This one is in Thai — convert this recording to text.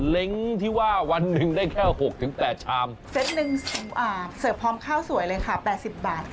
เล้งที่ว่าวันหนึ่งได้แค่๖๘ชามเซตหนึ่งเสิร์ฟพร้อมข้าวสวยเลยค่ะ๘๐บาท